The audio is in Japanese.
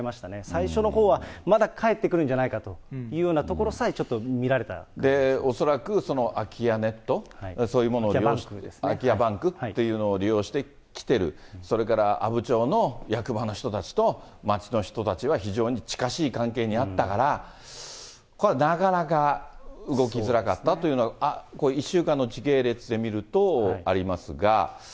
最初のほうはまだ返ってくるんじゃないかというところさえちょっ恐らく、空き家ネット、そういうものを利用して、空き家バンクというものを利用して来てる、それから阿武町の役場の人たちと、町の人たちは非常に近しい関係にあったから、これはなかなか動きづらかったというのは、１週間の時系列で見るとありますが。